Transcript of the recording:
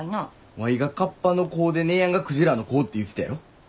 ワイがカッパの子で姉やんがクジラの子って言うてたやろ。